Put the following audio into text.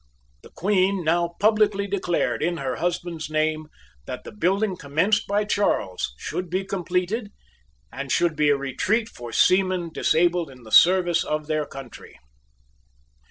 The Queen now publicly declared, in her husband's name, that the building commenced by Charles should be completed, and should be a retreat for seamen disabled in the service of their country.